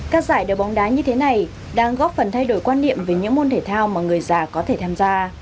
các giải đấu bóng đá như thế này đang góp phần thay đổi quan niệm về những môn thể thao mà người già có thể tham gia